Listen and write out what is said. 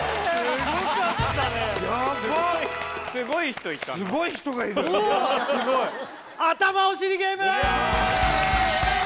すごいすごい人いたなすごい人がいるいやすごいあたまおしりゲーム！